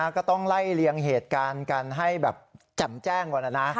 ก็ต้องไล่เลียงเหตุการณ์กันให้แบบแจ่มแจ้งก่อนนะนะ